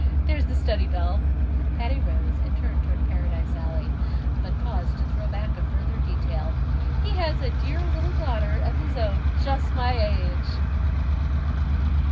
There's the study bell." Patty rose and turned toward Paradise Alley, but paused to throw back a further detail: "He has a dear little daughter of his own just my age!"